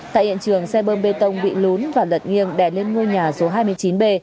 tại hiện trường xe bơm bê tông bị lún và lật nghiêng đè lên ngôi nhà số hai mươi chín b